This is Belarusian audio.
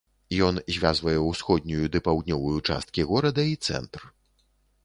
Ён звязвае ўсходнюю ды паўднёвую часткі горада і цэнтр.